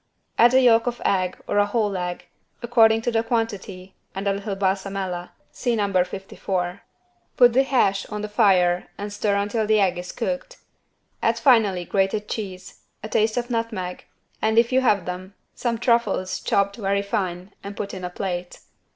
Add a yolk of egg or a whole egg, according to the quantity, and a little =Balsamella= (see No. 54). Put the hash on the fire and stir until the egg is cooked. Add finally grated cheese, a taste of nutmeg, and, if you have them, some truffles chopped very fine and put in a plate.